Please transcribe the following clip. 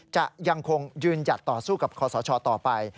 จะยังคงยืนหยัดต่อสู้กับคอสชต่อไป